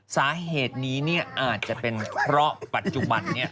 สาเหตุนี้อาจจะเป็นเพราะปัจจุบัน